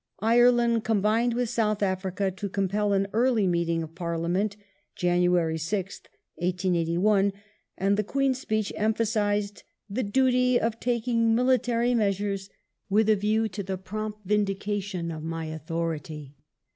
Ireland combined with South Africa to compel an early meeting of Parliament (Jan. 6th, 1881), and the Queen's Speech emphasized " the duty of taking military measures with a view to the prompt vindication of my authority